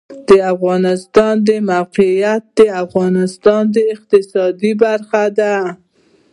د افغانستان د موقعیت د افغانستان د اقتصاد برخه ده.